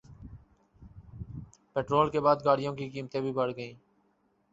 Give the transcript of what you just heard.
petrol کے بعد گاڑیوں کی قیمتیں بھی بڑھ گئیں